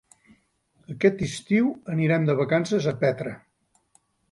Aquest estiu anirem de vacances a Petra.